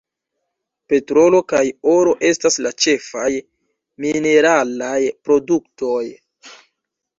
Petrolo kaj oro estas la ĉefaj mineralaj produktoj.